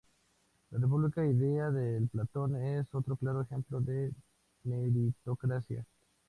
La república ideal de Platón es otro claro ejemplo de meritocracia.